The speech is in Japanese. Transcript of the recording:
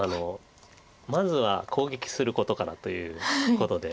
まずは攻撃することからということで。